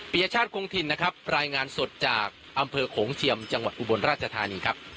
ยชาติคงถิ่นนะครับรายงานสดจากอำเภอโขงเจียมจังหวัดอุบลราชธานีครับ